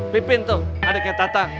pipin tuh adiknya tatang